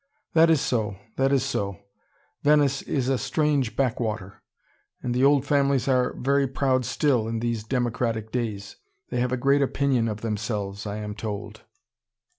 "That is so. That is so. Venice is a strange back water. And the old families are very proud still, in these democratic days. They have a great opinion of themselves, I am told."